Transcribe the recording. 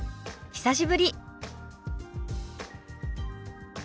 久しぶり。